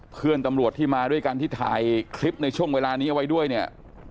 เพื่อนตำรวจที่มาด้วยกันที่ถ่ายคลิปในช่วงเวลานี้เอาไว้ด้วยเนี่ย